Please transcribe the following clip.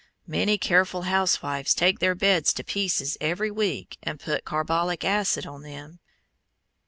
Many careful housewives take their beds to pieces every week and put carbolic acid on them.